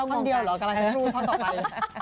ต้องมันเดียวหรอกำลังให้รู้ข้อต่อไป